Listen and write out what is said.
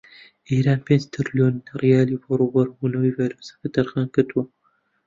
ئێران پێنج تریلۆن ڕیالی بۆ ڕووبەڕوو بوونەوەی ڤایرۆسەکە تەرخانکرد.